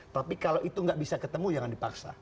tapi kalau itu nggak bisa ketemu jangan dipaksa